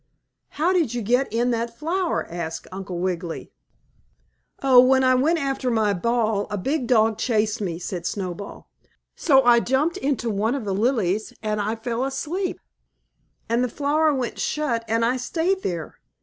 "How did you get in that flower?" asked Uncle Wiggily. "Oh, when I went after my ball a big dog chased me," said Snowball, "so I jumped into one of the lilies and I fell asleep, and the flower went shut and I stayed there.